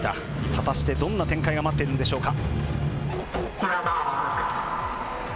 果たしてどんな展開が待っているんでしょうか。